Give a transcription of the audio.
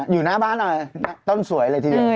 อยู่หน้าบ้านหน่อยต้นสวยเลยทีเดียว